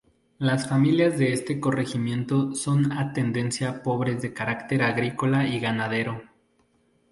Las familias de este corregimiento son a tendencia pobres de carácter agrícola y ganadero.